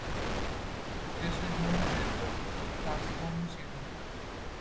This is known as the transform-syndrome.